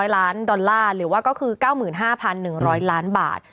๐ล้านดอลลาร์หรือว่าก็คือ๙๕๑๐๐ล้านบาท